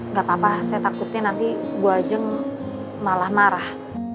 nggak apa apa saya takutnya nanti bu ajeng malah marah